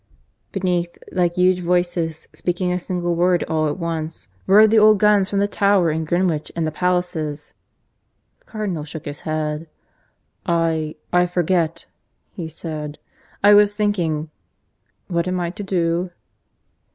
Beneath, like huge voices speaking a single word all at once, roared the old guns from the Tower and Greenwich and the palaces. The Cardinal shook his head. "I ... I forget," he said; "I was thinking. ... What am I to do?"